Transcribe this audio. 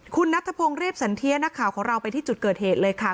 คุณนัทพงศ์เรียบสันเทียนักข่าวของเราไปที่จุดเกิดเหตุเลยค่ะ